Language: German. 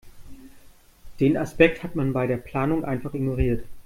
Den Aspekt hat man bei der Planung einfach ignoriert.